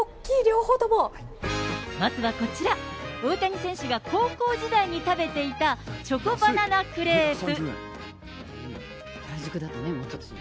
まずはこちら、大谷選手が高校時代に食べていた、チョコバナナクレープ。